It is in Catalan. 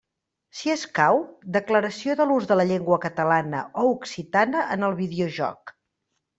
Si escau, declaració de l'ús de la llengua catalana o occitana en el videojoc.